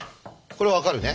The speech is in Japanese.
これ分かるね？